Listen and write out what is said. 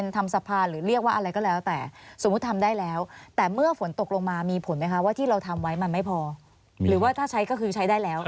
ทำซาพานหรือเรียกว่าอะไรก็แล้วแต่สมมุติทำได้แล้วแต่เมื่อฝนตกลงมามีผลไหมค่ะ